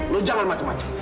lu jangan macem macem